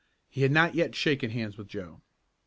He had not yet shaken hands with Joe.